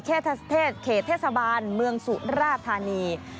เทศเขตเทศบาลเมืองสุราธานี